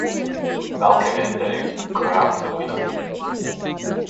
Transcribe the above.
Balkenende crowned the winner.